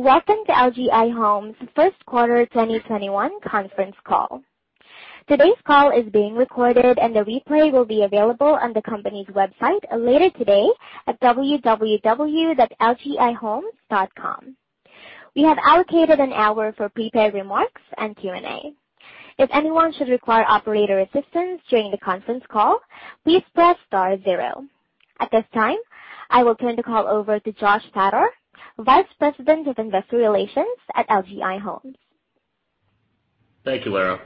Welcome to LGI Homes first quarter 2021 conference call. Today's call is being recorded, and the replay will be available on the company's website later today at www.lgihomes.com. We have allocated an hour for prepared remarks and Q&A. If anyone should require operator assistance during the conference call, please press star zero. At this time, I will turn the call over to Josh Fattor, Vice President of Investor Relations at LGI Homes. Thank you, Lara.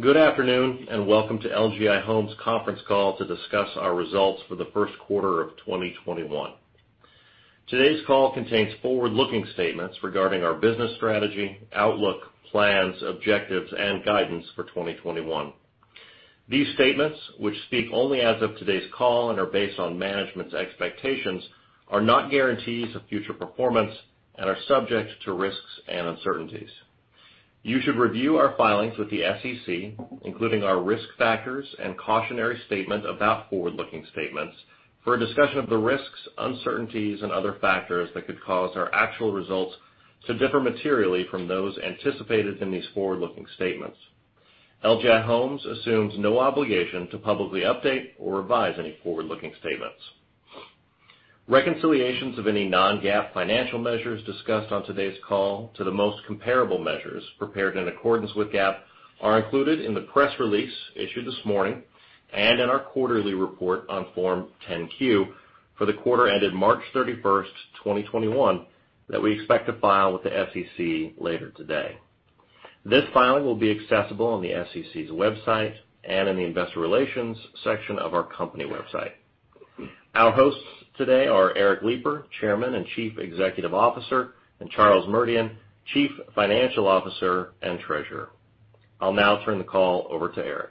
Good afternoon, and welcome to LGI Homes conference call to discuss our results for the first quarter of 2021. Today's call contains forward-looking statements regarding our business strategy, outlook, plans, objectives, and guidance for 2021. These statements, which speak only as of today's call and are based on management's expectations, are not guarantees of future performance and are subject to risks and uncertainties. You should review our filings with the SEC, including our risk factors and cautionary statement about forward-looking statements, for a discussion of the risks, uncertainties, and other factors that could cause our actual results to differ materially from those anticipated in these forward-looking statements. LGI Homes assumes no obligation to publicly update or revise any forward-looking statements. Reconciliations of any non-GAAP financial measures discussed on today's call to the most comparable measures prepared in accordance with GAAP are included in the press release issued this morning, and in our quarterly report on Form 10-Q for the quarter ended March 31st, 2021, that we expect to file with the SEC later today. This filing will be accessible on the SEC's website and in the investor relations section of our company website. Our hosts today are Eric Lipar, Chairman and Chief Executive Officer, and Charles Merdian, Chief Financial Officer and Treasurer. I'll now turn the call over to Eric.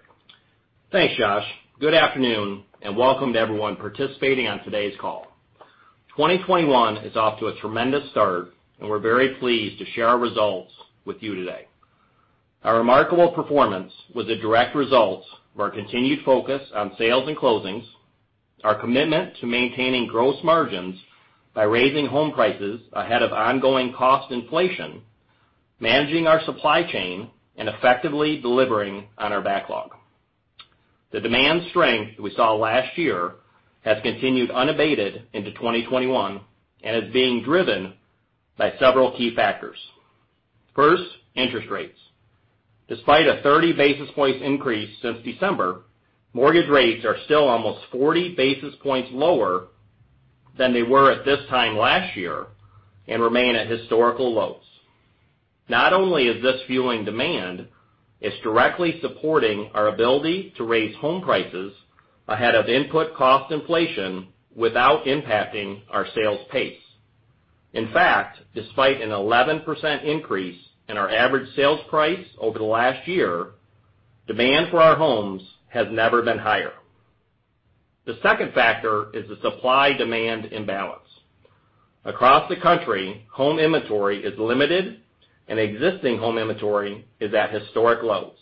Thanks, Josh. Good afternoon, welcome to everyone participating on today's call. 2021 is off to a tremendous start, we're very pleased to share our results with you today. Our remarkable performance was a direct result of our continued focus on sales and closings, our commitment to maintaining gross margins by raising home prices ahead of ongoing cost inflation, managing our supply chain, and effectively delivering on our backlog. The demand strength we saw last year has continued unabated into 2021 and is being driven by several key factors. First, interest rates. Despite a 30 basis points increase since December, mortgage rates are still almost 40 basis points lower than they were at this time last year and remain at historical lows. Not only is this fueling demand, it's directly supporting our ability to raise home prices ahead of input cost inflation without impacting our sales pace. In fact, despite an 11% increase in our average sales price over the last year, demand for our homes has never been higher. The second factor is the supply-demand imbalance. Across the country, home inventory is limited and existing home inventory is at historic lows.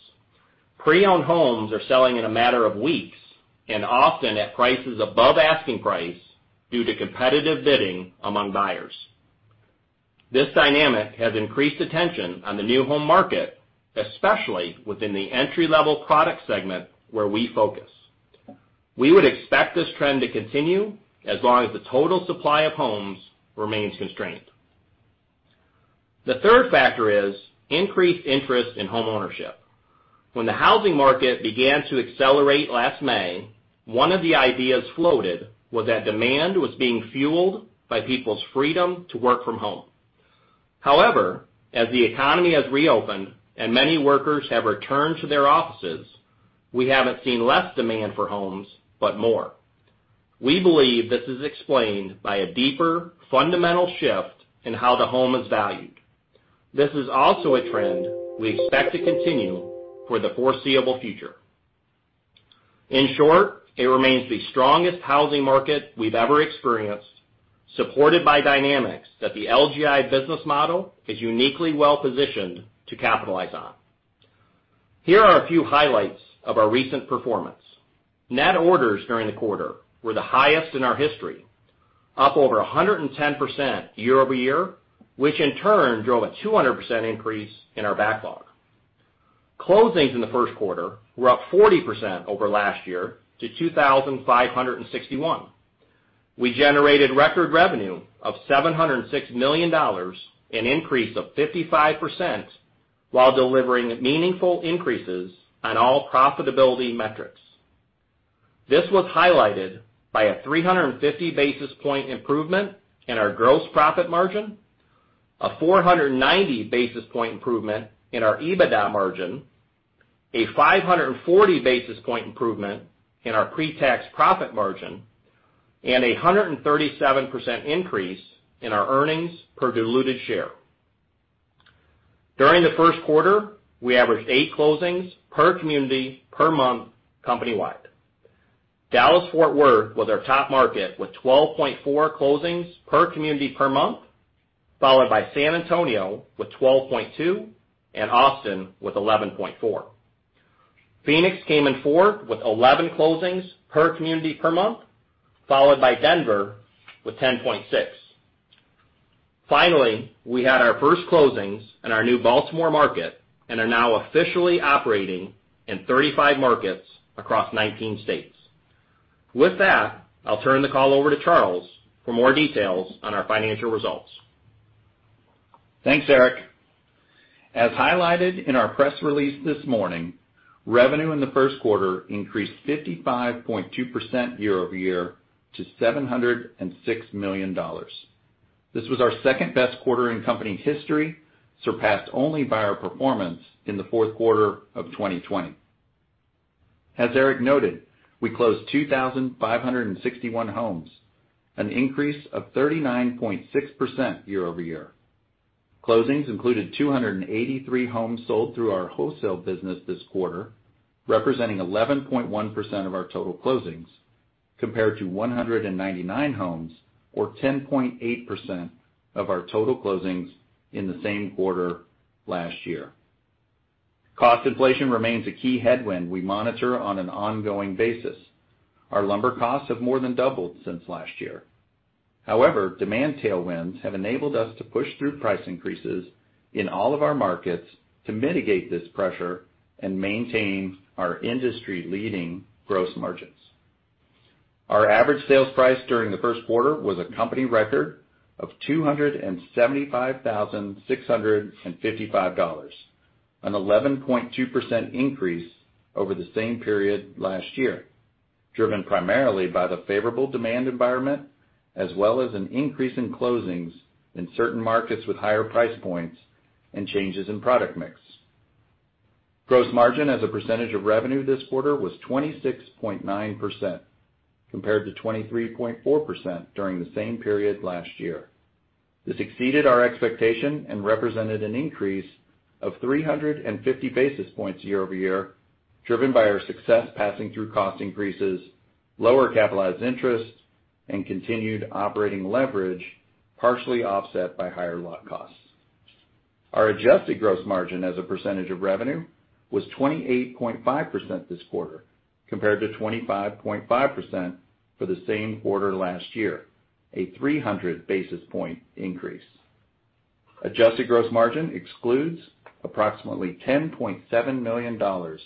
Pre-owned homes are selling in a matter of weeks and often at prices above asking price due to competitive bidding among buyers. This dynamic has increased attention on the new home market, especially within the entry-level product segment where we focus. We would expect this trend to continue as long as the total supply of homes remains constrained. The third factor is increased interest in home ownership. When the housing market began to accelerate last May, one of the ideas floated was that demand was being fueled by people's freedom to work from home. However, as the economy has reopened and many workers have returned to their offices, we haven't seen less demand for homes, but more. We believe this is explained by a deeper fundamental shift in how the home is valued. This is also a trend we expect to continue for the foreseeable future. In short, it remains the strongest housing market we've ever experienced, supported by dynamics that the LGI business model is uniquely well-positioned to capitalize on. Here are a few highlights of our recent performance. Net orders during the quarter were the highest in our history, up over 110% year-over-year, which in turn drove a 200% increase in our backlog. Closings in the first quarter were up 40% over last year to 2,561. We generated record revenue of $706 million, an increase of 55%, while delivering meaningful increases on all profitability metrics. This was highlighted by a 350 basis point improvement in our gross profit margin, a 490 basis point improvement in our EBITDA margin, a 540 basis point improvement in our pre-tax profit margin, and 137% increase in our earnings per diluted share. During the first quarter, we averaged eight closings per community per month company-wide. Dallas-Fort Worth was our top market with 12.4 closings per community per month, followed by San Antonio with 12.2 and Austin with 11.4. Phoenix came in fourth with 11 closings per community per month, followed by Denver with 10.6. Finally, we had our first closings in our new Baltimore market and are now officially operating in 35 markets across 19 states. With that, I'll turn the call over to Charles for more details on our financial results. Thanks, Eric. As highlighted in our press release this morning, revenue in the first quarter increased 55.2% year-over-year to $706 million. This was our second-best quarter in company history, surpassed only by our performance in the fourth quarter of 2020. As Eric noted, we closed 2,561 homes, an increase of 39.6% year-over-year. Closings included 283 homes sold through our wholesale business this quarter, representing 11.1% of our total closings, compared to 199 homes, or 10.8% of our total closings in the same quarter last year. Cost inflation remains a key headwind we monitor on an ongoing basis. Our lumber costs have more than doubled since last year. Demand tailwinds have enabled us to push through price increases in all of our markets to mitigate this pressure and maintain our industry-leading gross margins. Our average sales price during the first quarter was a company record of $275,655, an 11.2% increase over the same period last year, driven primarily by the favorable demand environment as well as an increase in closings in certain markets with higher price points and changes in product mix. Gross margin as a percentage of revenue this quarter was 26.9%, compared to 23.4% during the same period last year. This exceeded our expectation and represented an increase of 350 basis points year-over-year, driven by our success passing through cost increases, lower capitalized interest, and continued operating leverage, partially offset by higher lot costs. Our adjusted gross margin as a percentage of revenue was 28.5% this quarter, compared to 25.5% for the same quarter last year, a 300 basis point increase. Adjusted gross margin excludes approximately $10.7 million of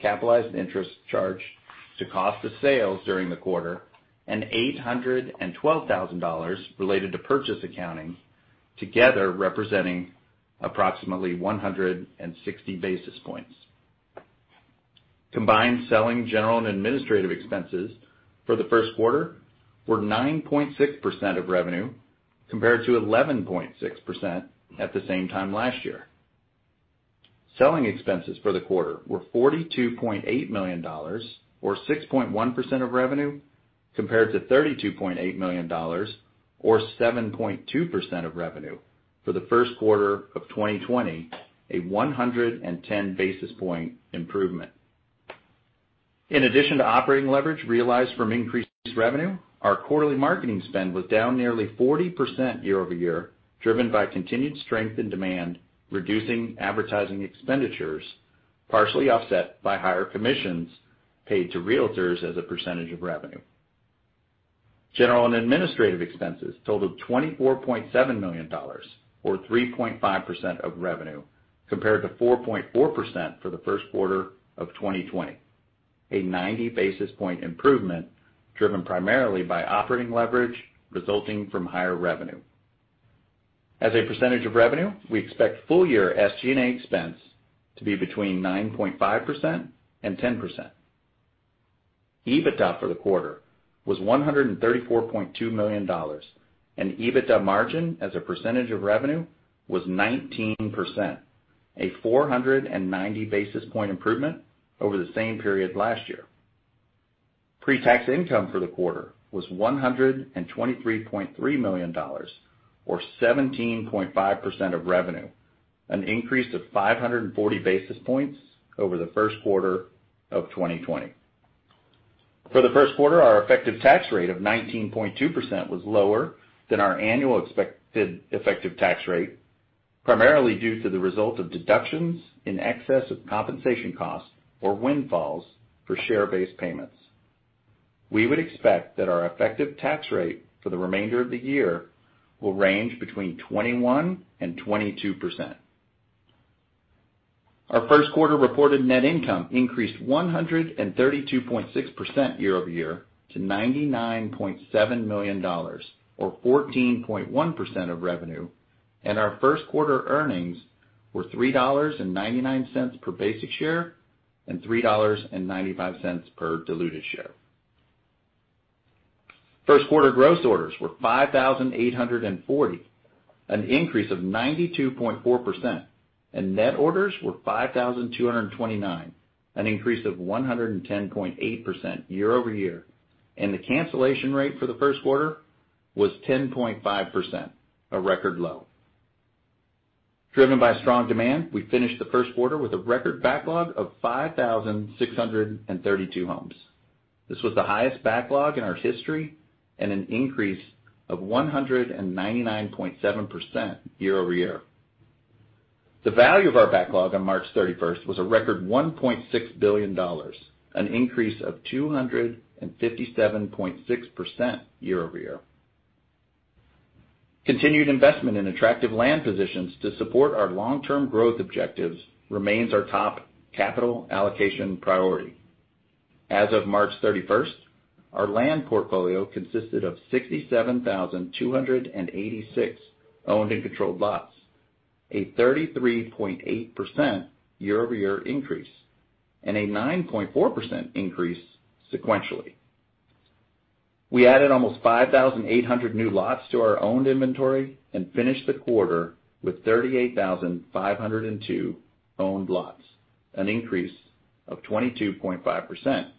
capitalized interest charged to cost of sales during the quarter and $812,000 related to purchase accounting, together representing approximately 160 basis points. Combined selling, general, and administrative expenses for the first quarter were 9.6% of revenue, compared to 11.6% at the same time last year. Selling expenses for the quarter were $42.8 million, or 6.1% of revenue, compared to $32.8 million, or 7.2% of revenue, for the first quarter of 2020, a 110 basis point improvement. In addition to operating leverage realized from increased revenue, our quarterly marketing spend was down nearly 40% year-over-year, driven by continued strength in demand, reducing advertising expenditures, partially offset by higher commissions paid to realtors as a percentage of revenue. General and administrative expenses totaled $24.7 million, or 3.5% of revenue, compared to 4.4% for the first quarter of 2020, a 90 basis point improvement driven primarily by operating leverage resulting from higher revenue. As a percentage of revenue, we expect full year SG&A expense to be between 9.5% and 10%. EBITDA for the quarter was $134.2 million, and EBITDA margin as a percentage of revenue was 19%, a 490 basis point improvement over the same period last year. Pre-tax income for the quarter was $123.3 million, or 17.5% of revenue, an increase of 540 basis points over the first quarter of 2020. For the first quarter, our effective tax rate of 19.2% was lower than our annual expected effective tax rate, primarily due to the result of deductions in excess of compensation costs or windfalls for share-based payments. We would expect that our effective tax rate for the remainder of the year will range between 21% and 22%. Our first quarter reported net income increased 132.6% year-over-year to $99.7 million, or 14.1% of revenue. Our first quarter earnings were $3.99 per basic share and $3.95 per diluted share. First quarter gross orders were 5,840, an increase of 92.4%. Net orders were 5,229, an increase of 110.8% year-over-year. The cancellation rate for the first quarter was 10.5%, a record low. Driven by strong demand, we finished the first quarter with a record backlog of 5,632 homes. This was the highest backlog in our history and an increase of 199.7% year-over-year. The value of our backlog on March 31st was a record $1.6 billion, an increase of 257.6% year-over-year. Continued investment in attractive land positions to support our long-term growth objectives remains our top capital allocation priority. As of March 31st, our land portfolio consisted of 67,286 owned and controlled lots, a 33.8% year-over-year increase and a 9.4% increase sequentially. We added almost 5,800 new lots to our owned inventory and finished the quarter with 38,502 owned lots, an increase of 22.5%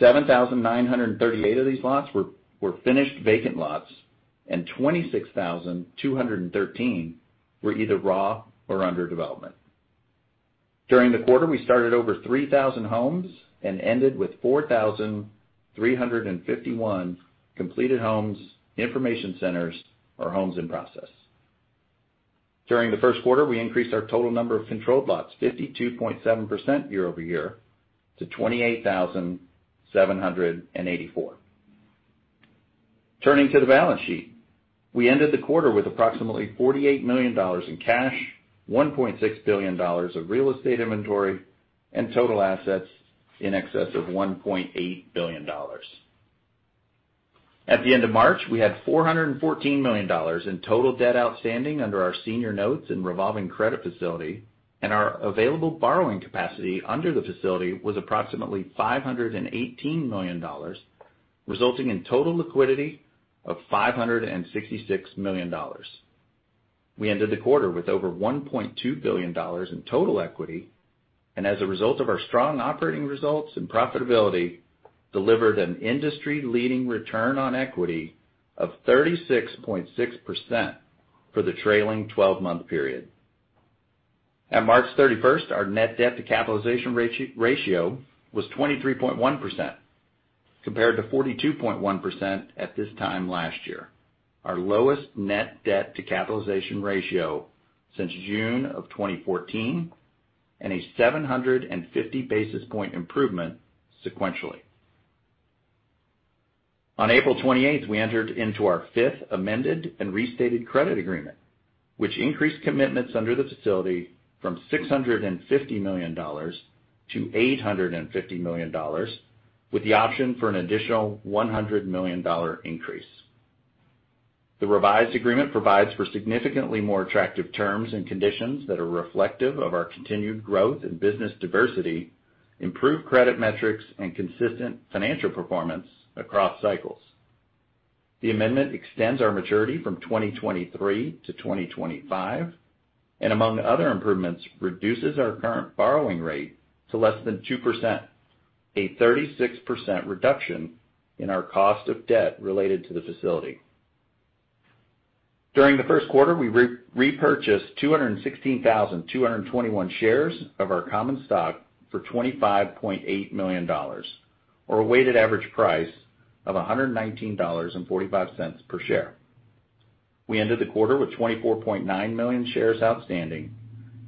year-over-year. 7,938 of these lots were finished vacant lots, and 26,213 were either raw or under development. During the quarter, we started over 3,000 homes and ended with 4,351 completed homes, information centers or homes in process. During the first quarter, we increased our total number of controlled lots 52.7% year-over-year to 28,784. Turning to the balance sheet, we ended the quarter with approximately $48 million in cash, $1.6 billion of real estate inventory, and total assets in excess of $1.8 billion. At the end of March, we had $414 million in total debt outstanding under our senior notes and revolving credit facility, and our available borrowing capacity under the facility was approximately $518 million, resulting in total liquidity of $566 million. We ended the quarter with over $1.2 billion in total equity, and as a result of our strong operating results and profitability, delivered an industry-leading return on equity of 36.6% for the trailing 12-month period. At March 31st, our net debt to capitalization ratio was 23.1%, compared to 42.1% at this time last year, our lowest net debt to capitalization ratio since June of 2014, and a 750 basis point improvement sequentially. On April 28th, we entered into our fifth amended and restated credit agreement, which increased commitments under the facility from $650 million-$850 million, with the option for an additional $100 million increase. The revised agreement provides for significantly more attractive terms and conditions that are reflective of our continued growth and business diversity, improved credit metrics, and consistent financial performance across cycles. The amendment extends our maturity from 2023 to 2025, and among other improvements, reduces our current borrowing rate to less than 2%, a 36% reduction in our cost of debt related to the facility. During the first quarter, we repurchased 216,221 shares of our common stock for $25.8 million, or a weighted average price of $119.45 per share. We ended the quarter with 24.9 million shares outstanding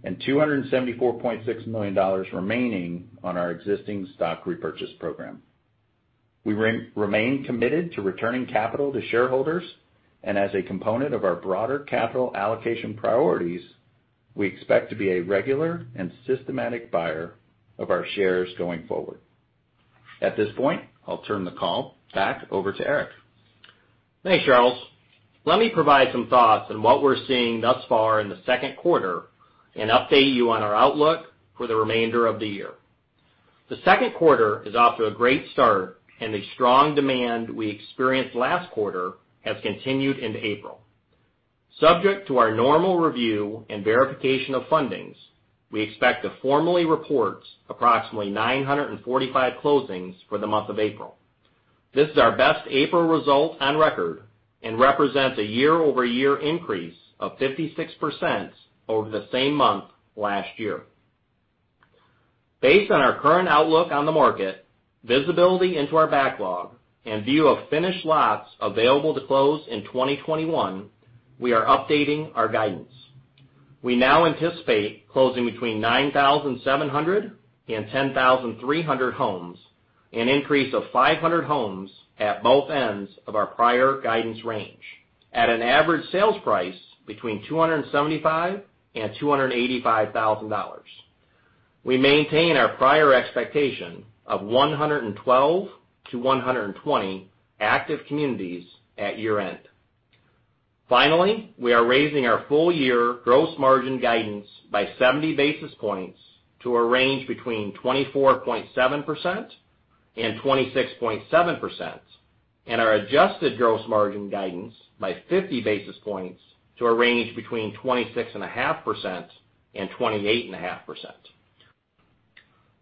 and $274.6 million remaining on our existing stock repurchase program. We remain committed to returning capital to shareholders, and as a component of our broader capital allocation priorities, we expect to be a regular and systematic buyer of our shares going forward. At this point, I'll turn the call back over to Eric. Thanks, Charles. Let me provide some thoughts on what we're seeing thus far in the second quarter and update you on our outlook for the remainder of the year. The second quarter is off to a great start. The strong demand we experienced last quarter has continued into April. Subject to our normal review and verification of fundings, we expect to formally report approximately 945 closings for the month of April. This is our best April result on record and represents a year-over-year increase of 56% over the same month last year. Based on our current outlook on the market, visibility into our backlog, and view of finished lots available to close in 2021, we are updating our guidance. We now anticipate closing between 9,700 and 10,300 homes, an increase of 500 homes at both ends of our prior guidance range at an average sales price between $275,000 and $285,000. We maintain our prior expectation of 112-120 active communities at year-end. Finally, we are raising our full year gross margin guidance by 70 basis points to a range between 24.7% and 26.7%, and our adjusted gross margin guidance by 50 basis points to a range between 26.5% and 28.5%.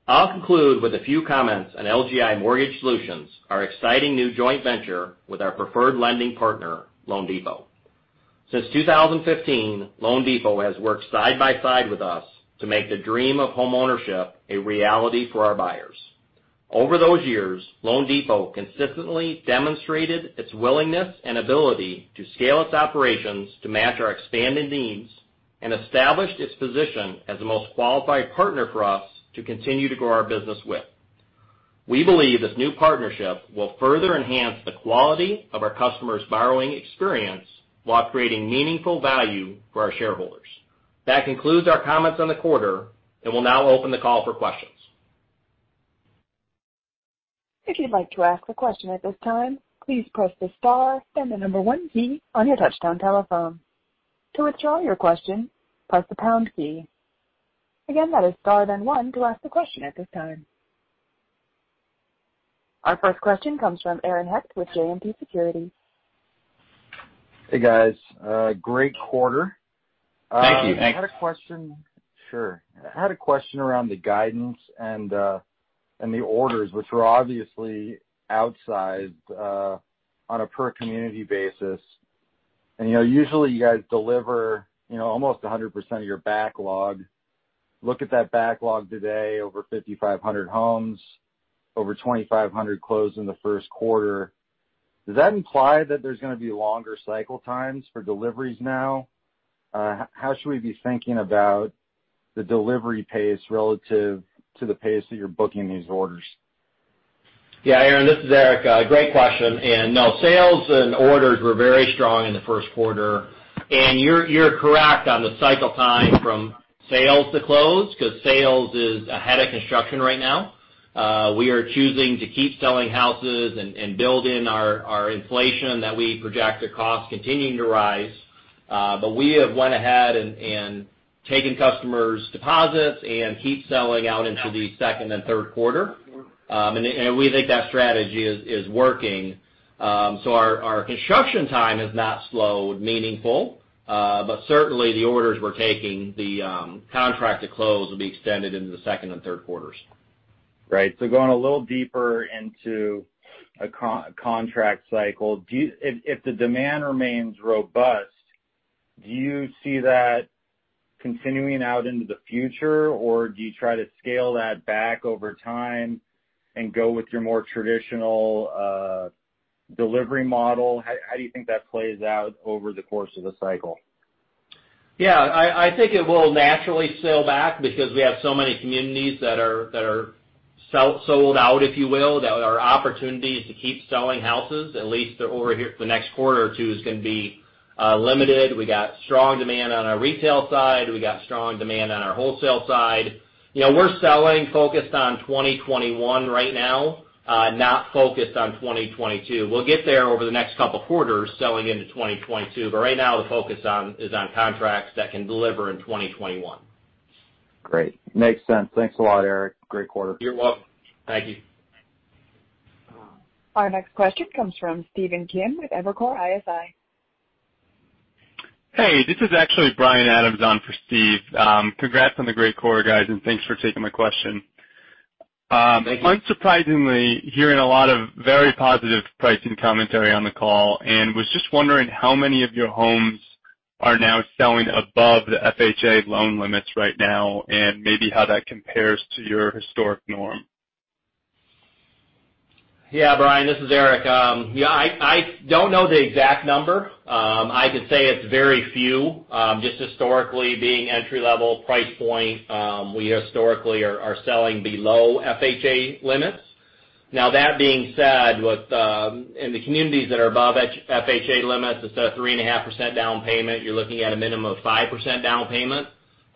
I'll conclude with a few comments on LGI Mortgage Solutions, our exciting new joint venture with our preferred lending partner, loanDepot. Since 2015, loanDepot has worked side by side with us to make the dream of homeownership a reality for our buyers. Over those years, loanDepot consistently demonstrated its willingness and ability to scale its operations to match our expanding needs and established its position as the most qualified partner for us to continue to grow our business with. We believe this new partnership will further enhance the quality of our customers' borrowing experience while creating meaningful value for our shareholders. That concludes our comments on the quarter, and we'll now open the call for questions. Our first question comes from Aaron Hecht with JMP Securities. Hey, guys. Great quarter. Thank you. I had a question. Sure. I had a question around the guidance and the orders, which were obviously outsized on a per community basis. Usually you guys deliver almost 100% of your backlog. Look at that backlog today, over 5,500 homes, over 2,500 closed in the first quarter. Does that imply that there's going to be longer cycle times for deliveries now? How should we be thinking about the delivery pace relative to the pace that you're booking these orders? Yeah, Aaron, this is Eric. Great question. No, sales and orders were very strong in the first quarter, and you're correct on the cycle time from sales to close because sales is ahead of construction right now. We are choosing to keep selling houses and build in our inflation that we project the cost continuing to rise. We have went ahead and taken customers' deposits and keep selling out into the second and third quarter. We think that strategy is working. Our construction time has not slowed meaningful. Certainly, the orders we're taking, the contract to close will be extended into the second and third quarters. Right. Going a little deeper into a contract cycle, if the demand remains robust, do you see that continuing out into the future, or do you try to scale that back over time and go with your more traditional delivery model? How do you think that plays out over the course of the cycle? Yeah, I think it will naturally sail back because we have so many communities that are sold out, if you will, that our opportunities to keep selling houses, at least over the next quarter or two, is going to be limited. We got strong demand on our retail side. We got strong demand on our wholesale side. We're selling focused on 2021 right now, not focused on 2022. We'll get there over the next couple of quarters selling into 2022. Right now, the focus is on contracts that can deliver in 2021. Great. Makes sense. Thanks a lot, Eric. Great quarter. You're welcome. Thank you. Our next question comes from Stephen Kim with Evercore ISI. Hey. This is actually Bryan Adams on for Steve. Congrats on the great quarter, guys, and thanks for taking my question. Thank you. Unsurprisingly, hearing a lot of very positive pricing commentary on the call, and was just wondering how many of your homes are now selling above the FHA loan limits right now, and maybe how that compares to your historic norm? Yeah, Bryan, this is Eric. Yeah, I don't know the exact number. I could say it's very few. Just historically being entry-level price point, we historically are selling below FHA limits. Now, that being said, in the communities that are above FHA limits, instead of 3.5% down payment, you're looking at a minimum of 5% down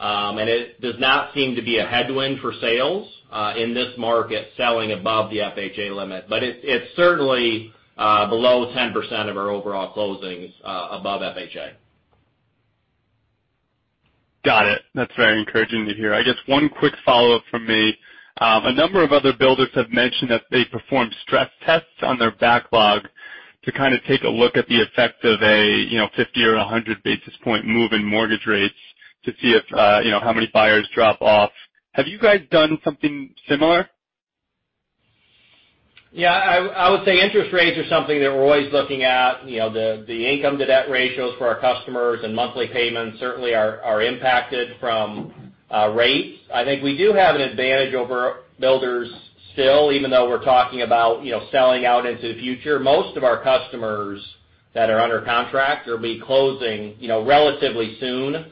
payment. It does not seem to be a headwind for sales in this market selling above the FHA limit. It's certainly below 10% of our overall closings above FHA. Got it. That's very encouraging to hear. I guess one quick follow-up from me. A number of other builders have mentioned that they performed stress tests on their backlog to kind of take a look at the effect of a 50 or 100 basis point move in mortgage rates to see how many buyers drop off. Have you guys done something similar? Yeah, I would say interest rates are something that we're always looking at. The income to debt ratios for our customers and monthly payments certainly are impacted from rates. I think we do have an advantage over builders still, even though we're talking about selling out into the future. Most of our customers that are under contract will be closing relatively soon,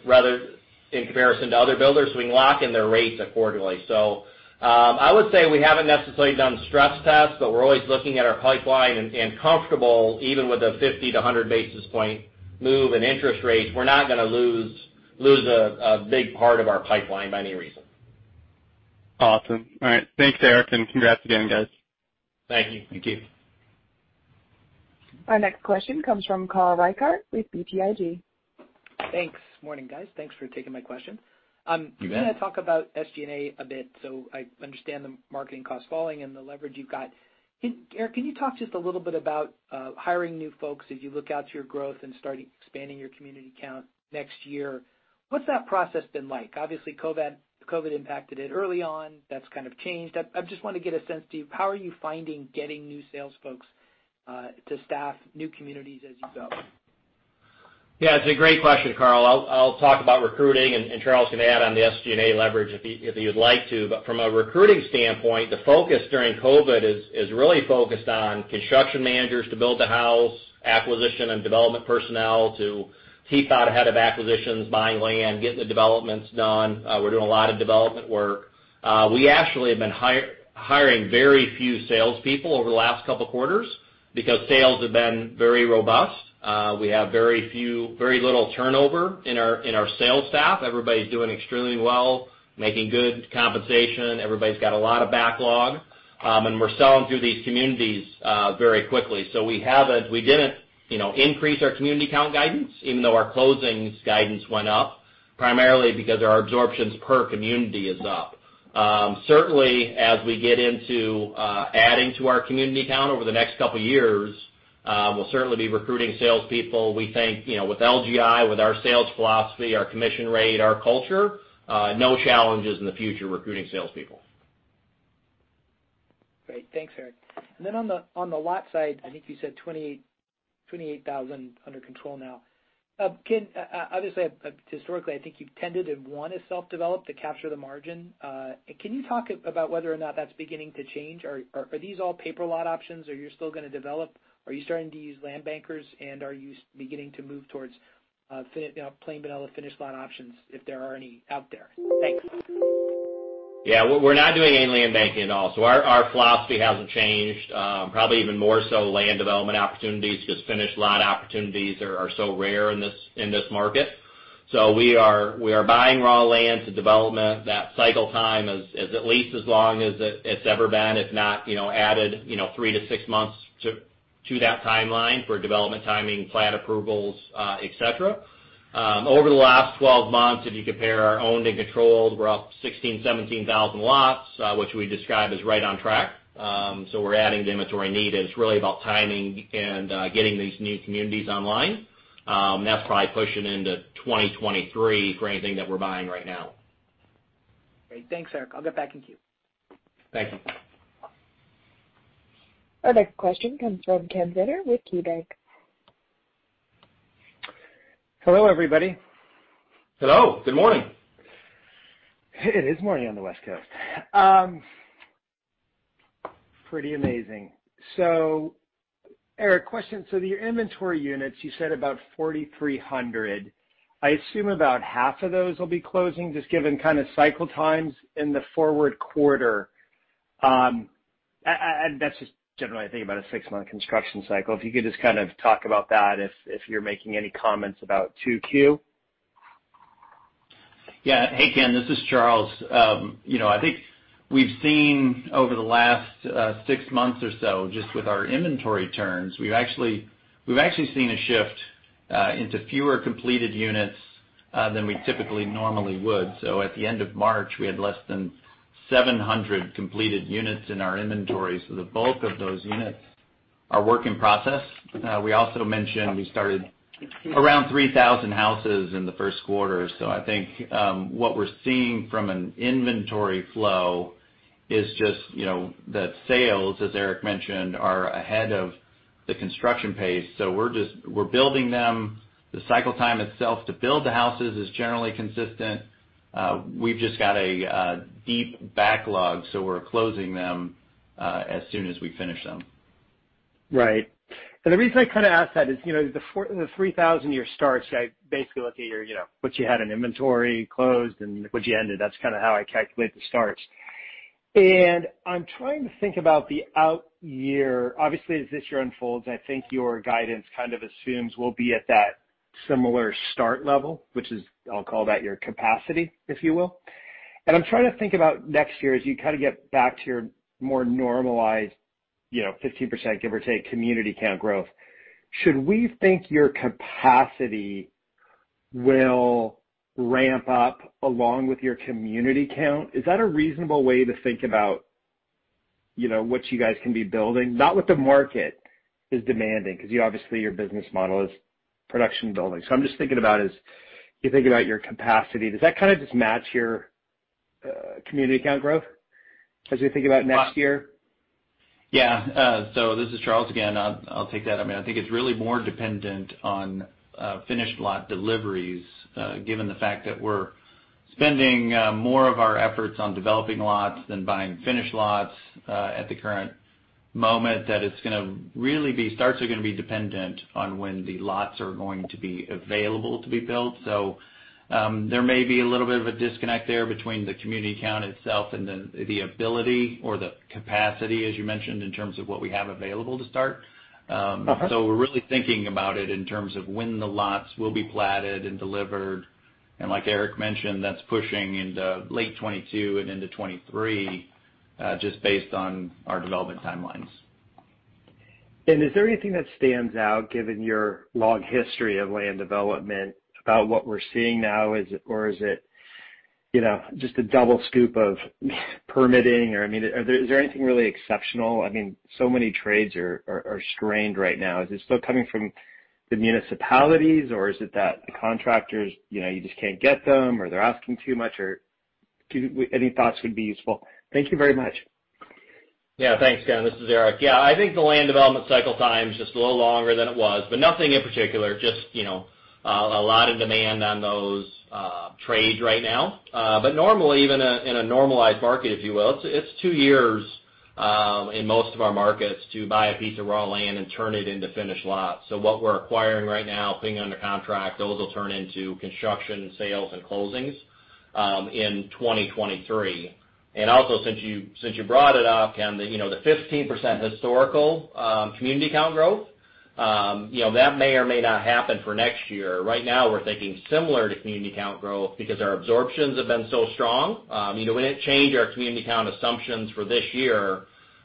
in comparison to other builders, so we can lock in their rates accordingly. I would say we haven't necessarily done stress tests, but we're always looking at our pipeline and comfortable even with a 50 to 100 basis point move in interest rates. We're not going to lose a big part of our pipeline by any reason. Awesome. All right. Thanks, Eric, and congrats again, guys. Thank you. Our next question comes from Carl Reichardt with BTIG. Thanks. Morning, guys. Thanks for taking my question. You bet. I'm going to talk about SG&A a bit, so I understand the marketing costs falling and the leverage you've got. Eric, can you talk just a little bit about hiring new folks as you look out to your growth and start expanding your community count next year? What's that process been like? Obviously, COVID impacted it early on. That's kind of changed. I just want to get a sense to how are you finding getting new sales folks to staff new communities as you go? Yeah, it's a great question, Carl. I'll talk about recruiting, and Charles can add on the SG&A leverage if he would like to. From a recruiting standpoint, the focus during COVID is really focused on construction managers to build the house, acquisition and development personnel to keep out ahead of acquisitions, buying land, getting the developments done. We're doing a lot of development work. We actually have been hiring very few salespeople over the last couple of quarters because sales have been very robust. We have very little turnover in our sales staff. Everybody's doing extremely well, making good compensation. Everybody's got a lot of backlog. We're selling through these communities very quickly. We didn't increase our community count guidance, even though our closings guidance went up, primarily because our absorptions per community is up. Certainly, as we get into adding to our community count over the next couple of years, we'll certainly be recruiting salespeople. We think, with LGI, with our sales philosophy, our commission rate, our culture, no challenges in the future recruiting salespeople. Great. Thanks, Eric. Then on the lot side, I think you said 28,000 under control now. Obviously, historically, I think you've tended to want to self-develop to capture the margin. Can you talk about whether or not that's beginning to change? Are these all pay-per-lot options? Are you still going to develop? Are you starting to use land bankers, and are you beginning to move towards plain vanilla finished lot options if there are any out there? Thanks. Yeah. We're not doing any land banking at all. Our philosophy hasn't changed. Probably even more so land development opportunities because finished lot opportunities are so rare in this market. We are buying raw land to development. That cycle time is at least as long as it's ever been, if not, added three to six months to that timeline for development timing, plat approvals, etc. Over the last 12 months, if you compare our owned and controlled, we're up 16,000, 17,000 lots, which we describe as right on track. We're adding the inventory needed. It's really about timing and getting these new communities online. That's probably pushing into 2023 for anything that we're buying right now. Great. Thanks, Eric. I'll get back in queue. Thank you. Our next question comes from Ken Zener with KeyBanc. Hello, everybody. Hello. Good morning. It is morning on the West Coast. Pretty amazing. Eric, question? Your inventory units, you said about 4,300. I assume about half of those will be closing, just given kind of cycle times in the forward quarter. That's just generally, I think, about a six-month construction cycle. If you could just kind of talk about that, if you're making any comments about 2Q? Yeah. Hey, Ken Zener, this is Charles Merdian. I think we've seen over the last six months or so, just with our inventory turns, we've actually seen a shift into fewer completed units than we typically normally would. At the end of March, we had less than 700 completed units in our inventory. The bulk of those units are work in process. We also mentioned we started around 3,000 houses in the first quarter. I think what we're seeing from an inventory flow is just that sales, as Eric Lipar mentioned, are ahead of the construction pace. We're building them. The cycle time itself to build the houses is generally consistent. We've just got a deep backlog, so we're closing them as soon as we finish them. Right. The reason I kind of ask that is, the 3,000 year starts, I basically look at what you had in inventory closed and what you ended. That's kind of how I calculate the starts. I'm trying to think about the out year. Obviously, as this year unfolds, I think your guidance kind of assumes we'll be at that similar start level, which is, I'll call that your capacity, if you will. I'm trying to think about next year as you kind of get back to your more normalized 15%, give or take, community count growth. Should we think your capacity will ramp up along with your community count? Is that a reasonable way to think about what you guys can be building? Not what the market is demanding, because obviously your business model is production building. I'm just thinking about as you think about your capacity, does that kind of just match your community count growth as we think about next year? Yeah. This is Charles Merdian again. I'll take that. I mean, I think it's really more dependent on finished lot deliveries, given the fact that we're spending more of our efforts on developing lots than buying finished lots at the current moment, that it's going to really be, starts are going to be dependent on when the lots are going to be available to be built. There may be a little bit of a disconnect there between the community count itself and then the ability or the capacity, as you mentioned, in terms of what we have available to start. We're really thinking about it in terms of when the lots will be platted and delivered. Like Eric mentioned, that's pushing into late 2022 and into 2023, just based on our development timelines. Is there anything that stands out, given your long history of land development, about what we're seeing now? Is it just a double scoop of permitting, or is there anything really exceptional? I mean, so many trades are strained right now. Is it still coming from the municipalities, or is it that the contractors, you just can't get them, or they're asking too much? Any thoughts would be useful. Thank you very much. Thanks, Ken. This is Eric. I think the land development cycle time is just a little longer than it was, nothing in particular, just a lot of demand on those trades right now. Normally, even in a normalized market, if you will, it's two years in most of our markets to buy a piece of raw land and turn it into finished lots. What we're acquiring right now, being under contract, those will turn into construction, sales, and closings in 2023. Also, since you brought it up, Ken, the 15% historical community count growth, that may or may not happen for next year. Right now, we're thinking similar to community count growth because our absorptions have been so strong. We didn't change our community count assumptions for this year,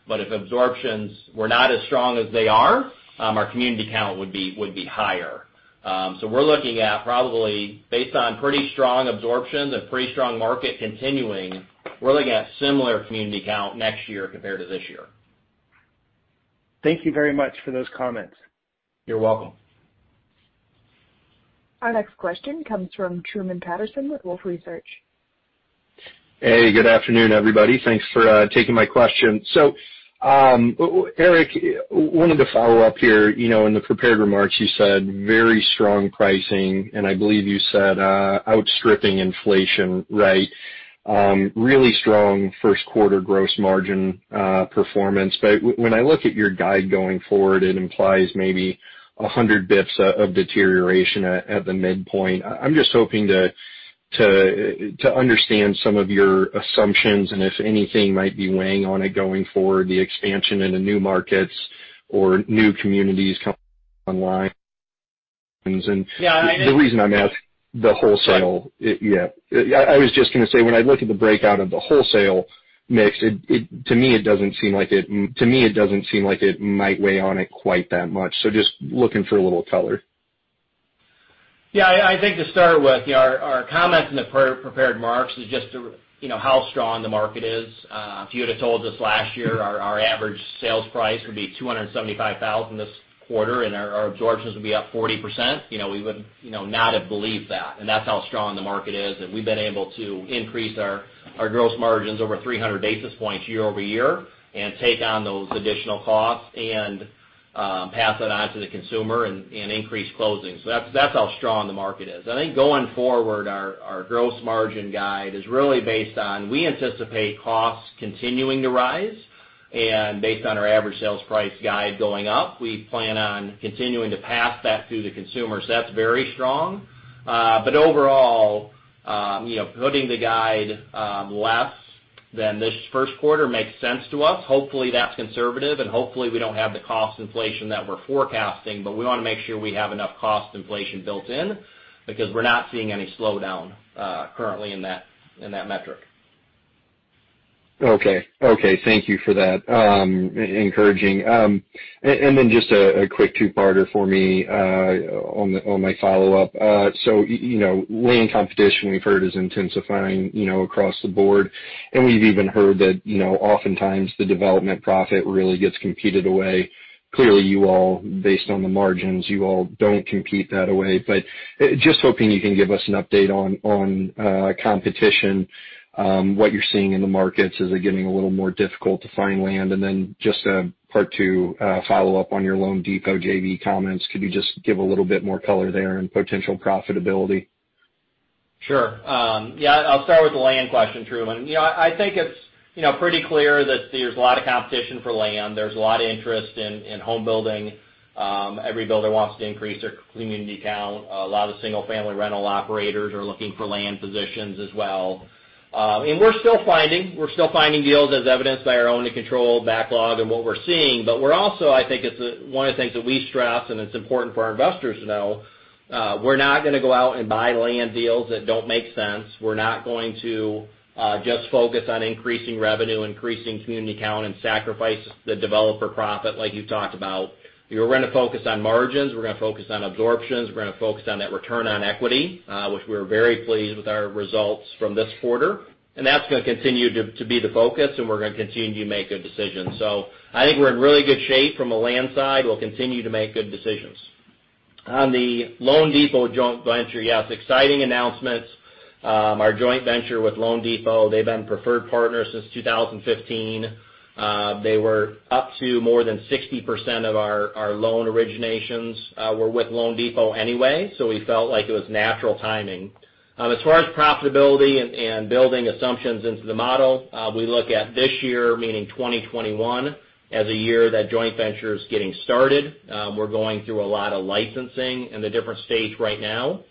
but if absorptions were not as strong as they are, our community count would be higher. We're looking at probably, based on pretty strong absorption, the pretty strong market continuing, we're looking at similar community count next year compared to this year. Thank you very much for those comments. You're welcome. Our next question comes from Truman Patterson with Wolfe Research. Hey, good afternoon, everybody. Thanks for taking my question. Eric, wanted to follow up here. In the prepared remarks, you said very strong pricing, and I believe you said outstripping inflation. Really strong first quarter gross margin performance. When I look at your guide going forward, it implies maybe 100 basis points of deterioration at the midpoint. I'm just hoping to understand some of your assumptions and if anything might be weighing on it going forward, the expansion into new markets or new communities coming online. Yeah. The wholesale. Yeah. I was just going to say, when I look at the breakout of the wholesale mix, to me, it doesn't seem like it might weigh on it quite that much. Just looking for a little color. Yeah. I think to start with, our comments in the prepared remarks is just how strong the market is. If you would've told us last year our average sales price would be $275,000 this quarter and our absorptions would be up 40%, we would not have believed that. That's how strong the market is, and we've been able to increase our gross margins over 300 basis points year-over-year and take on those additional costs and pass that on to the consumer and increase closings. That's how strong the market is. I think going forward, our gross margin guide is really based on, we anticipate costs continuing to rise, and based on our average sales price guide going up, we plan on continuing to pass that through to consumers. That's very strong. Overall, putting the guide less than this first quarter makes sense to us. Hopefully, that's conservative, and hopefully, we don't have the cost inflation that we're forecasting. We want to make sure we have enough cost inflation built in because we're not seeing any slowdown currently in that metric. Okay. Thank you for that. Encouraging. Then just a quick two-parter for me on my follow-up. Land competition we've heard is intensifying across the board, and we've even heard that oftentimes the development profit really gets competed away. Clearly, you all, based on the margins, you all don't compete that away. Just hoping you can give us an update on competition, what you're seeing in the markets. Is it getting a little more difficult to find land? Then just a part two follow-up on your loanDepot JV comments. Could you just give a little bit more color there and potential profitability? Sure. Yeah, I'll start with the land question, Truman. I think it's pretty clear that there's a lot of competition for land. There's a lot of interest in home building. Every builder wants to increase their community count. A lot of single-family rental operators are looking for land positions as well. We're still finding deals as evidenced by our own controlled backlog and what we're seeing. We're also, I think it's one of the things that we stress and it's important for our investors to know, we're not going to go out and buy land deals that don't make sense. We're not going to just focus on increasing revenue, increasing community count, and sacrifice the developer profit like you talked about. We're going to focus on margins, we're going to focus on absorptions, we're going to focus on that return on equity, which we're very pleased with our results from this quarter. That's going to continue to be the focus, and we're going to continue to make good decisions. I think we're in really good shape from the land side. We'll continue to make good decisions. On the loanDepot joint venture, yes, exciting announcements. Our joint venture with loanDepot, they've been preferred partners since 2015. They were up to more than 60% of our loan originations were with loanDepot anyway, so we felt like it was natural timing. As far as profitability and building assumptions into the model, we look at this year, meaning 2021, as a year that joint venture is getting started. We're going through a lot of licensing in the different states right now.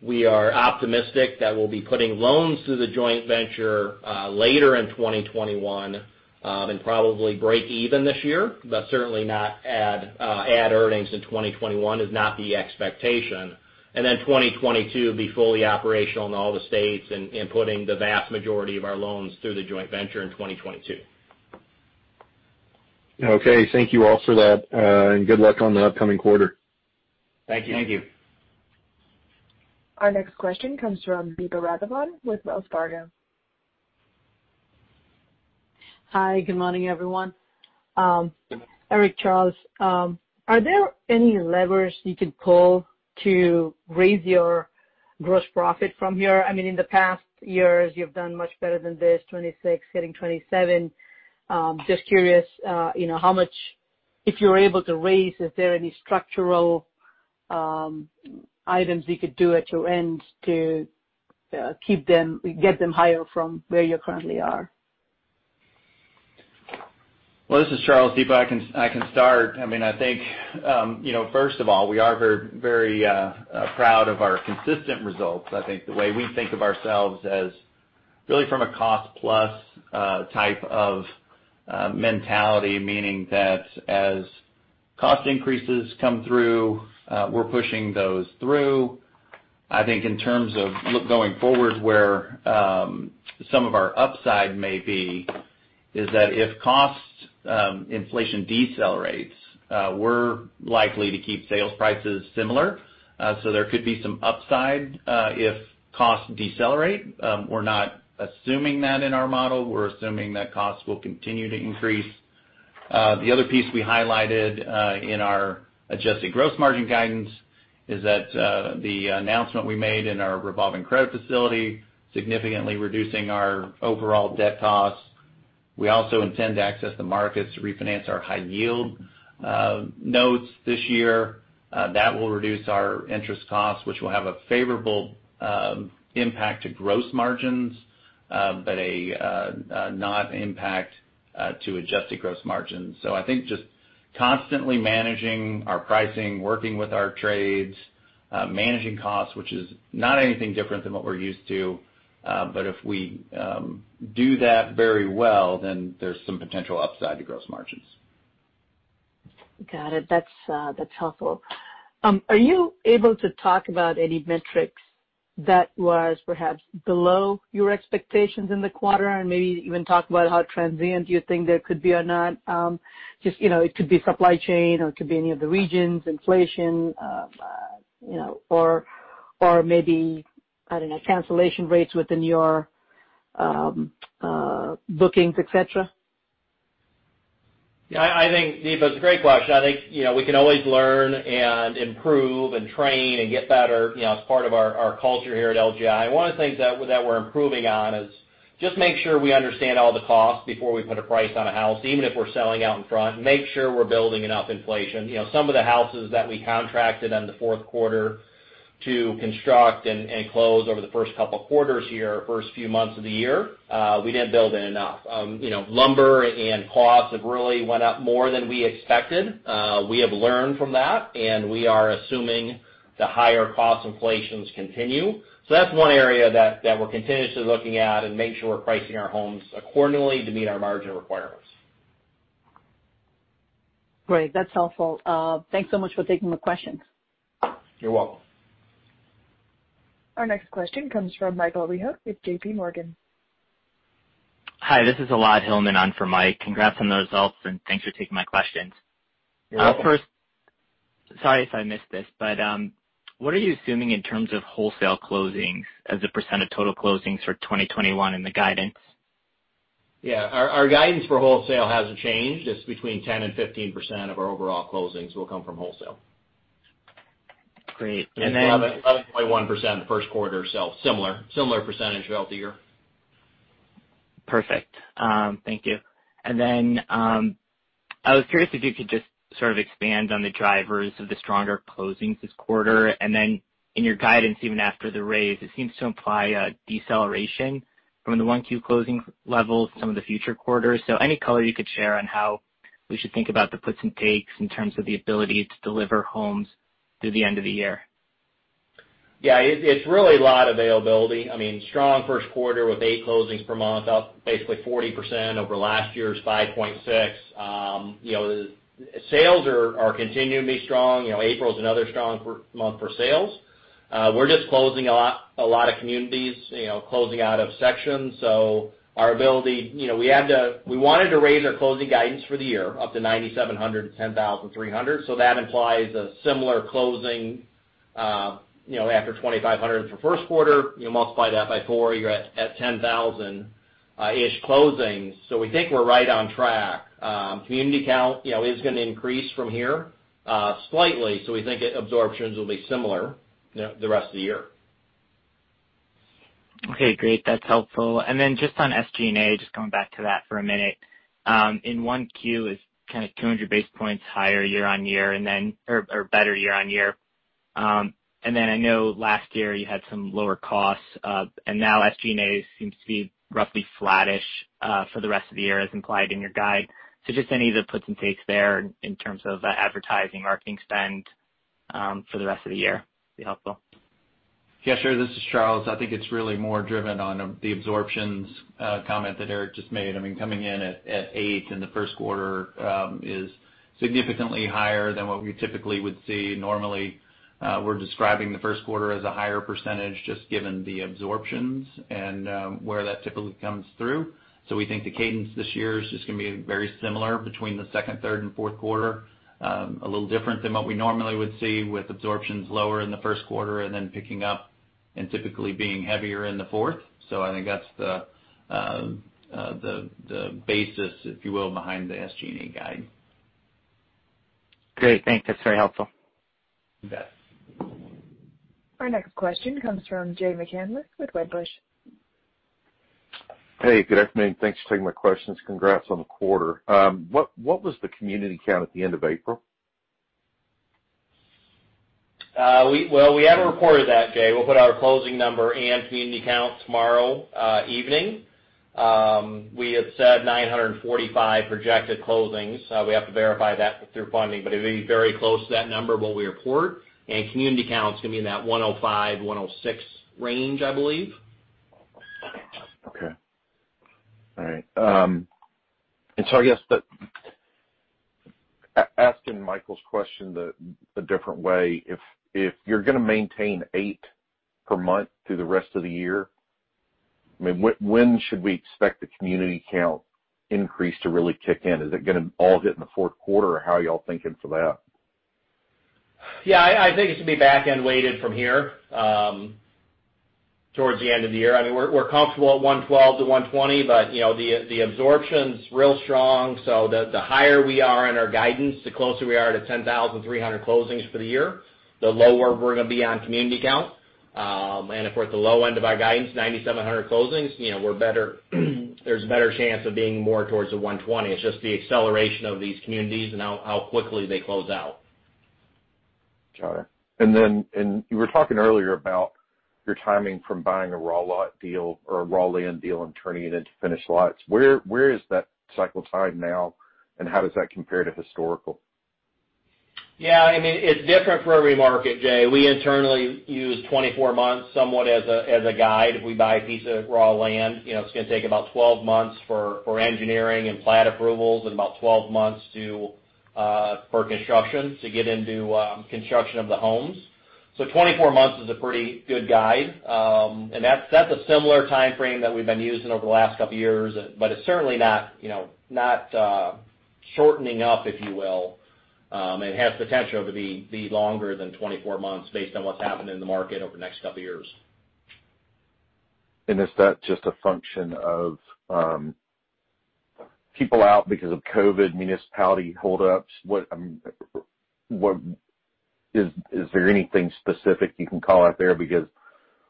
We are optimistic that we'll be putting loans through the joint venture later in 2021 and probably break even this year, but certainly not add earnings in 2021 is not the expectation. 2022 will be fully operational in all the states and putting the vast majority of our loans through the joint venture in 2022. Okay. Thank you all for that, and good luck on the upcoming quarter. Thank you. Our next question comes from Deepa Raghavan with Wells Fargo. Hi, good morning, everyone. Eric, Charles, are there any levers you could pull to raise your gross profit from here. In the past years, you've done much better than this, 26% hitting 27%. Just curious, how much, if you're able to raise, is there any structural items you could do at your end to get them higher from where you currently are? This is Charles. Deepa, I can start. I think, first of all, we are very proud of our consistent results. I think the way we think of ourselves as really from a cost-plus type of mentality, meaning that as cost increases come through, we're pushing those through. I think in terms of going forward, where some of our upside may be is that if cost inflation decelerates, we're likely to keep sales prices similar. There could be some upside if costs decelerate. We're not assuming that in our model. We're assuming that costs will continue to increase. The other piece we highlighted in our adjusted gross margin guidance is that the announcement we made in our revolving credit facility, significantly reducing our overall debt costs. We also intend to access the markets to refinance our high yield notes this year. That will reduce our interest costs, which will have a favorable impact to gross margins, but not impact to adjusted gross margins. I think just constantly managing our pricing, working with our trades, managing costs, which is not anything different than what we're used to. If we do that very well, then there's some potential upside to gross margins. Got it. That's helpful. Are you able to talk about any metrics that was perhaps below your expectations in the quarter, and maybe even talk about how transient you think there could be or not? It could be supply chain or it could be any of the regions, inflation, or maybe, I don't know, cancellation rates within your bookings, etc. Yeah, I think, Deepa, it's a great question. I think, we can always learn and improve and train and get better, as part of our culture here at LGI. One of the things that we're improving on is just make sure we understand all the costs before we put a price on a house, even if we're selling out in front, make sure we're building enough inflation. Some of the houses that we contracted on the fourth quarter to construct and close over the first couple of quarters here, first few months of the year, we didn't build in enough. Lumber and costs have really went up more than we expected. We have learned from that, and we are assuming the higher cost inflations continue. That's one area that we're continuously looking at and make sure we're pricing our homes accordingly to meet our margin requirements. Great. That's helpful. Thanks so much for taking the question. You're welcome. Our next question comes from Michael Rehaut with JPMorgan. Hi, this is Elad Hillman on for Mike. Congrats on the results, and thanks for taking my questions. You're welcome. First, sorry if I missed this, but what are you assuming in terms of wholesale closings as a percentage of total closings for 2021 in the guidance? Yeah, our guidance for wholesale hasn't changed. It's between 10% and 15% of our overall closings will come from wholesale. Great. 11.1% in the first quarter, so similar percentage throughout the year. Perfect. Thank you. I was curious if you could just sort of expand on the drivers of the stronger closings this quarter, in your guidance, even after the raise, it seems to imply a deceleration from the 1Q closing levels to some of the future quarters. Any color you could share on how we should think about the puts and takes in terms of the ability to deliver homes through the end of the year? Yeah. It's really lot availability. Strong first quarter with eight closings per month, up basically 40% over last year's 5.6. Sales are continuing to be strong. April's another strong month for sales. We're just closing a lot of communities, closing out of sections. Our ability, we wanted to raise our closing guidance for the year up to 9,700 to 10,300. That implies a similar closing after 2,500 for first quarter. You multiply that by four, you're at 10,000-ish closings. We think we're right on track. Community count is going to increase from here, slightly, so we think absorptions will be similar the rest of the year. Okay, great. That's helpful. Just on SG&A, just coming back to that for a minute. In 1Q is kind of 200 basis points higher year-on-year, or better year-on-year. I know last year you had some lower costs, and now SG&A seems to be roughly flattish for the rest of the year, as implied in your guide. Just any of the puts and takes there in terms of advertising, marketing spend for the rest of the year would be helpful. Yeah, sure. This is Charles. I think it's really more driven on the absorptions comment that Eric just made. Coming in at eight in the first quarter is significantly higher than what we typically would see. Normally, we're describing the first quarter as a higher percentage just given the absorptions and where that typically comes through. We think the cadence this year is just going to be very similar between the second, third, and fourth quarter. A little different than what we normally would see with absorptions lower in the first quarter and then picking up and typically being heavier in the fourth. I think that's the basis, if you will, behind the SG&A guide. Great. Thanks. That's very helpful. You bet. Our next question comes from Jay McCanless with Wedbush. Hey, good afternoon. Thanks for taking my questions. Congrats on the quarter. What was the community count at the end of April? Well, we haven't reported that, Jay. We'll put our closing number and community count tomorrow evening. We had said 945 projected closings. We have to verify that through funding, but it'll be very close to that number when we report. Community count's going to be in that 105-106 range, I believe. Okay. All right. I guess, asking Michael's question a different way, if you're going to maintain eight per month through the rest of the year, when should we expect the community count increase to really kick in? Is it going to all hit in the fourth quarter, or how are you all thinking for that? Yeah, I think it should be back-end-weighted from here towards the end of the year. We're comfortable at 112 to 120, but the absorption's real strong, so the higher we are in our guidance, the closer we are to 10,300 closings for the year, the lower we're going to be on community count. If we're at the low end of our guidance, 9,700 closings, there's a better chance of being more towards the 120. It's just the acceleration of these communities and how quickly they close out. Got it. You were talking earlier about your timing from buying a raw lot deal or a raw land deal and turning it into finished lots. Where is that cycle tied now, and how does that compare to historical? Yeah. It's different for every market, Jay. We internally use 24 months somewhat as a guide. If we buy a piece of raw land, it's going to take about 12 months for engineering and plat approvals and about 12 months for construction to get into construction of the homes. 24 months is a pretty good guide, and that's a similar timeframe that we've been using over the last couple of years, but it's certainly not shortening up, if you will. It has potential to be longer than 24 months based on what's happening in the market over the next couple of years. Is that just a function of people out because of COVID municipality hold-ups? Is there anything specific you can call out there?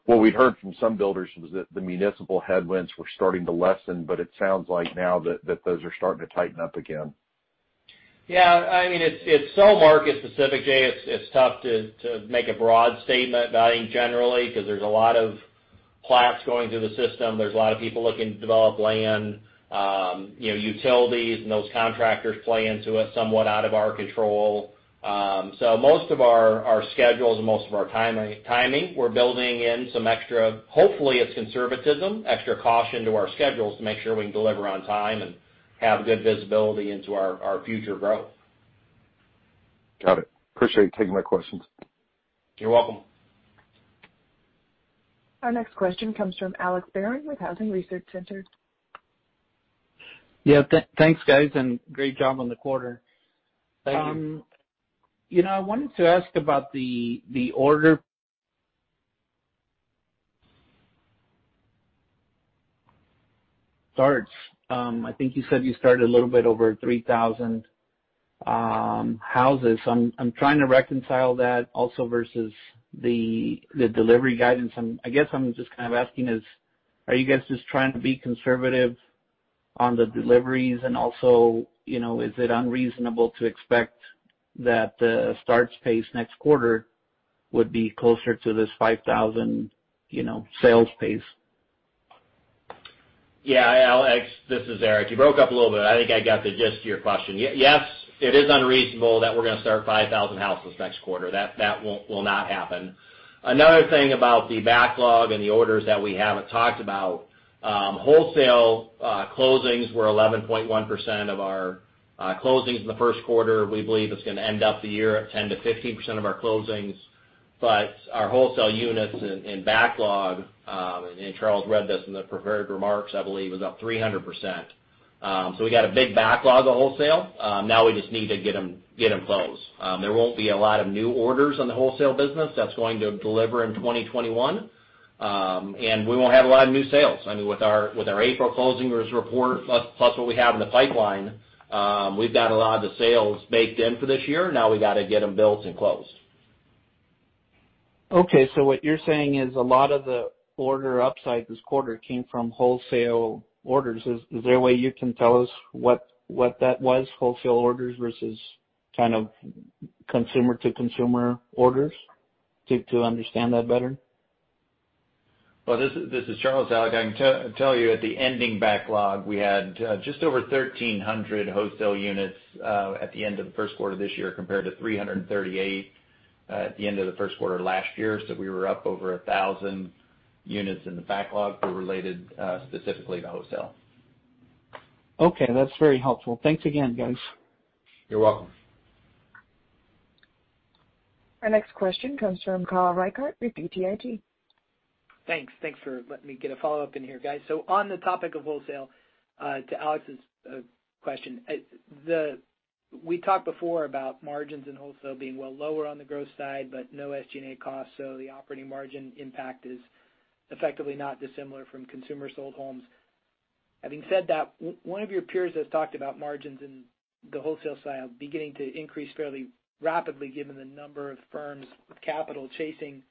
What we'd heard from some builders was that the municipal headwinds were starting to lessen, but it sounds like now that those are starting to tighten up again. Yeah. It's so market specific, Jay. It's tough to make a broad statement generally because there's a lot of plats going through the system. There's a lot of people looking to develop land. Utilities and those contractors play into it, somewhat out of our control. Most of our schedules and most of our timing, we're building in some extra, hopefully it's conservatism, extra caution to our schedules to make sure we can deliver on time and have good visibility into our future growth. Got it. Appreciate you taking my questions. You're welcome. Our next question comes from Alex Barron with Housing Research Center. Yeah. Thanks, guys, and great job on the quarter. Thank you. I wanted to ask about the order starts. I think you said you started a little bit over 3,000 houses. I'm trying to reconcile that also versus the delivery guidance. I guess I'm just kind of asking is, are you guys just trying to be conservative on the deliveries? Is it unreasonable to expect that the starts pace next quarter would be closer to this 5,000 sales pace? Yeah. Alex, this is Eric. You broke up a little bit. I think I got the gist of your question. Yes, it is unreasonable that we're going to start 5,000 houses next quarter. That will not happen. Another thing about the backlog and the orders that we haven't talked about, wholesale closings were 11.1% of our closings in the first quarter. We believe it's going to end up the year at 10%-15% of our closings. Our wholesale units in backlog, and Charles read this in the prepared remarks, I believe, is up 300%. We got a big backlog of wholesale. Now we just need to get them closed. There won't be a lot of new orders on the wholesale business that's going to deliver in 2021. We won't have a lot of new sales. With our April closings report plus what we have in the pipeline, we've got a lot of the sales baked in for this year. Now we got to get them built and closed. Okay. What you're saying is a lot of the order upside this quarter came from wholesale orders. Is there a way you can tell us what that was, wholesale orders versus consumer-to-consumer orders, to understand that better? This is Charles, Alex. I can tell you at the ending backlog, we had just over 1,300 wholesale units at the end of the first quarter this year compared to 338 at the end of the first quarter last year. We were up over 1,000 units in the backlog that were related specifically to wholesale. Okay. That's very helpful. Thanks again, guys. You're welcome. Our next question comes from Carl Reichardt with BTIG. Thanks. Thanks for letting me get a follow-up in here, guys. On the topic of wholesale, to Alex's question, we talked before about margins in wholesale being well lower on the growth side, but no SG&A costs, so the operating margin impact is effectively not dissimilar from consumer sold homes. Having said that, one of your peers has talked about margins in the wholesale side beginning to increase fairly rapidly given the number of firms with capital chasing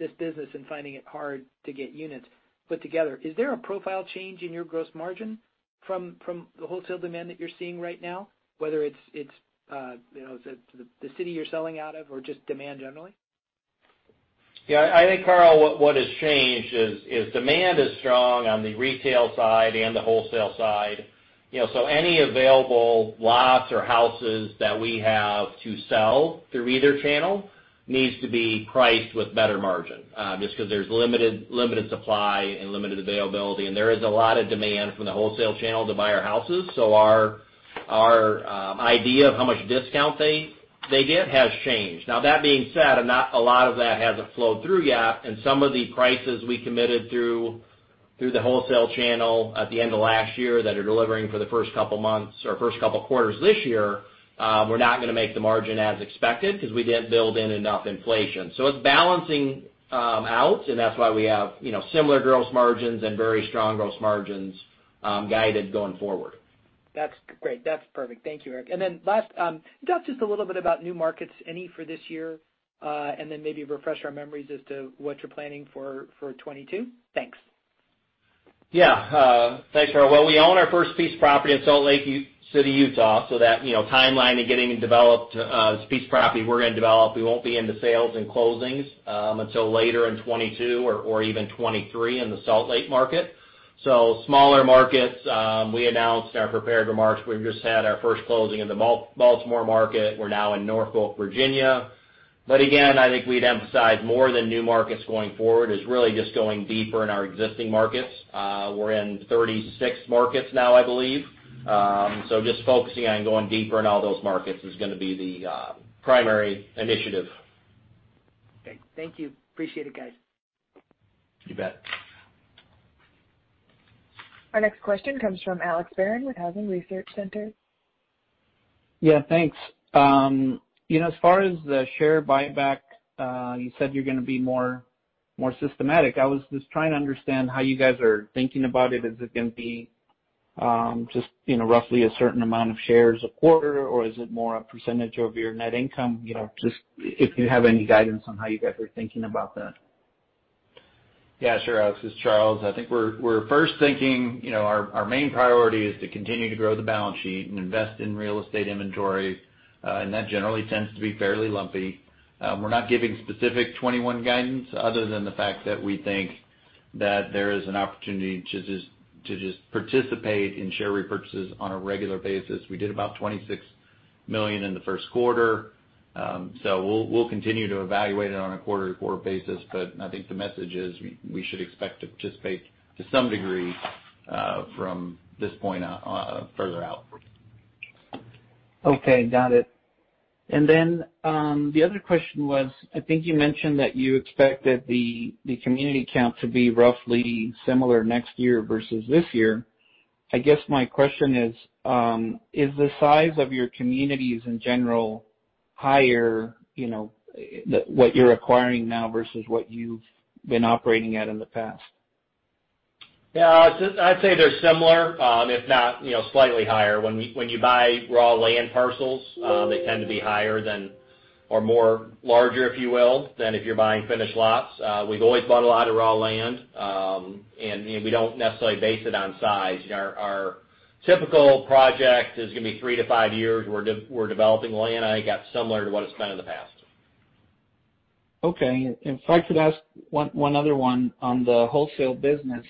this business and finding it hard to get units put together. Is there a profile change in your gross margin from the wholesale demand that you're seeing right now, whether it's the city you're selling out of or just demand generally? I think, Carl, what has changed is demand is strong on the retail side and the wholesale side. Any available lots or houses that we have to sell through either channel needs to be priced with better margin, just because there's limited supply and limited availability, and there is a lot of demand from the wholesale channel to buy our houses. Our idea of how much discount they get has changed. Now, that being said, and not a lot of that has flowed through yet, and some of the prices we committed through the wholesale channel at the end of last year that are delivering for the first couple of months or first couple of quarters this year, we're not going to make the margin as expected because we didn't build in enough inflation. It's balancing out, and that's why we have similar gross margins and very strong gross margins guided going forward. That's great. That's perfect. Thank you, Eric. Last, can you talk just a little bit about new markets, any for this year, and then maybe refresh our memories as to what you're planning for 2022? Thanks. Yeah. Thanks, Carl. Well, we own our first piece property in Salt Lake City, Utah, so that timeline of getting it developed, this piece of property we're going to develop, we won't be into sales and closings until later in 2022 or even 2023 in the Salt Lake market. Smaller markets, we announced in our prepared remarks, we've just had our first closing in the Baltimore market. We're now in Norfolk, Virginia. Again, I think we'd emphasize more than new markets going forward is really just going deeper in our existing markets. We're in 36 markets now, I believe. Just focusing on going deeper in all those markets is going to be the primary initiative. Great. Thank you. Appreciate it, guys. You bet. Our next question comes from Alex Barron with Housing Research Center. Yeah, thanks. As far as the share buyback, you said you're going to be more systematic. I was just trying to understand how you guys are thinking about it. Is it going to be just roughly a certain amount of shares a quarter, or is it more a percentage of your net income, just if you have any guidance on how you guys are thinking about that? Sure, Alex Barron. It's Charles. I think we're first thinking our main priority is to continue to grow the balance sheet and invest in real estate inventory, and that generally tends to be fairly lumpy. We're not giving specific 2021 guidance other than the fact that we think that there is an opportunity to just participate in share repurchases on a regular basis. We did about $26 million in the first quarter. We'll continue to evaluate it on a quarter-to-quarter basis, but I think the message is we should expect to participate to some degree from this point on further out. Okay. Got it. The other question was, I think you mentioned that you expect that the community count to be roughly similar next year versus this year. I guess my question is the size of your communities in general higher, what you're acquiring now versus what you've been operating at in the past? Yeah. I'd say they're similar, if not slightly higher. When you buy raw land parcels, they tend to be higher than, or more larger, if you will, than if you're buying finished lots. We've always bought a lot of raw land, and we don't necessarily base it on size. Our typical project is going to be three to five years. We're developing land, I got similar to what it's been in the past. Okay. If I could ask one other one on the wholesale business.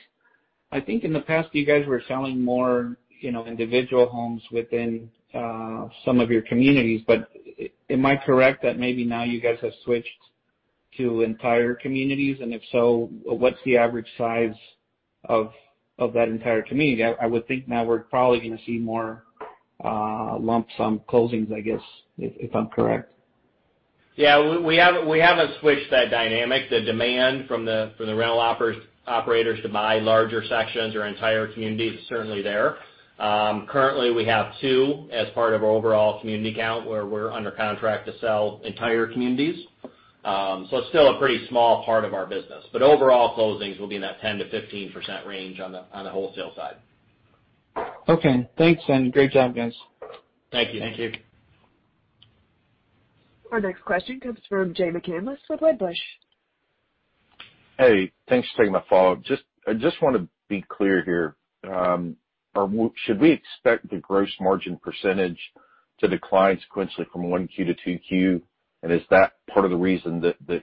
I think in the past, you guys were selling more individual homes within some of your communities. Am I correct that maybe now you guys have switched to entire communities? If so, what's the average size of that entire community? I would think now we're probably going to see more lump sum closings, I guess, if I'm correct. We haven't switched that dynamic. The demand from the rental operators to buy larger sections or entire communities is certainly there. Currently, we have two as part of our overall community count where we're under contract to sell entire communities. It's still a pretty small part of our business, but overall closings will be in that 10%-15% range on the wholesale side. Okay, thanks. Great job, guys. Thank you. Thank you. Our next question comes from Jay McCanless with Wedbush. Hey, thanks for taking my follow-up. I just want to be clear here. Should we expect the gross margin percentage to decline sequentially from 1Q to 2Q, and is that part of the reason that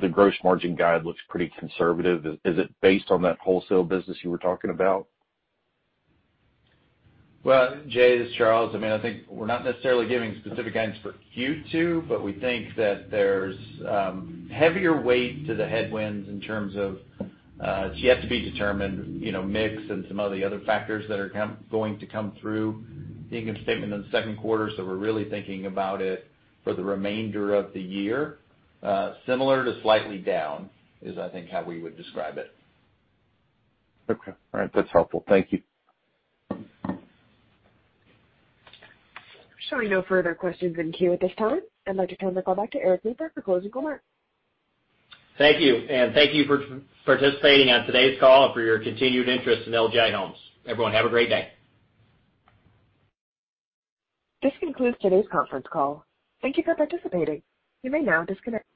the gross margin guide looks pretty conservative? Is it based on that wholesale business you were talking about? Well, Jay, this is Charles. I think we're not necessarily giving specific guidance for Q2, but we think that there's heavier weight to the headwinds in terms of it's yet to be determined, mix and some of the other factors that are going to come through being a statement in the second quarter. We're really thinking about it for the remainder of the year. Similar to slightly down is, I think, how we would describe it. Okay. All right. That's helpful. Thank you. Showing no further questions in queue at this time. I'd like to turn the call back to Eric Lipar for closing remarks. Thank you, and thank you for participating on today's call and for your continued interest in LGI Homes. Everyone, have a great day. This concludes today's conference call. Thank you for participating. You may now disconnect.